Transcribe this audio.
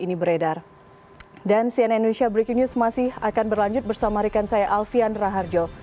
ini beredar dan cnn indonesia breaking news masih akan berlanjut bersama rekan saya alfian raharjo